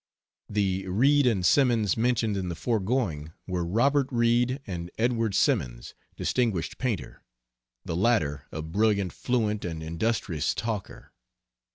The Reid and Simmons mentioned in the foregoing were Robert Reid and Edward Simmons, distinguished painter the latter a brilliant, fluent, and industrious talker.